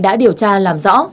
đã điều tra làm rõ